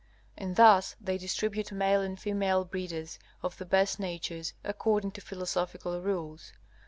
And thus they distribute male and female breeders of the best natures according to philosophical rules.